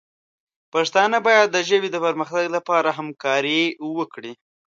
پښتانه باید د ژبې د پرمختګ لپاره همکاري وکړي.